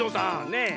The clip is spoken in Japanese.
ねえ。